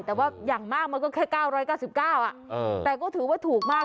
แต่ว่าอย่างมากมันก็แค่๙๙๙แต่ก็ถือว่าถูกมาก